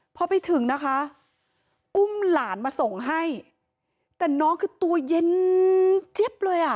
พอไปถึงนะคะอุ้มหลานมาส่งให้แต่น้องคือตัวเย็นจิ๊บเลยอ่ะ